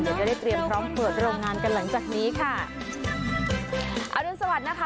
เดี๋ยวก็ได้เตรียมพร้อมเปิดโรงงานกันหลังจากนี้ค่ะอรุณสวัสดิ์นะคะ